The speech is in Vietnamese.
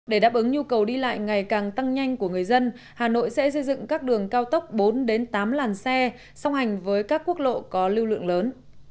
để đáp ứng nhu cầu đi lại ngày càng tăng nhanh của người dân hà nội sẽ xây dựng các đường cao tốc bốn tám làn xe song hành với các quốc lộ có lưu lượng lớn